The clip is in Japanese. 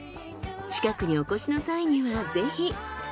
近くにお越しの際にはぜひ。